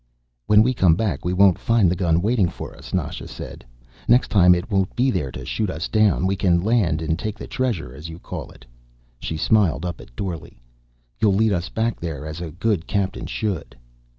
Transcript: "When we come back we won't find the gun waiting for us," Nasha said. "Next time it won't be there to shoot us down. We can land and take the treasure, as you call it." She smiled up at Dorle. "You'll lead us back there, as a good captain should."